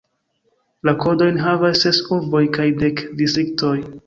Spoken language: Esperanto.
La kodojn havas ses urboj kaj dek distriktoj.